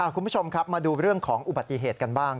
คุณผู้ชมครับมาดูเรื่องของอุบัติเหตุกันบ้าง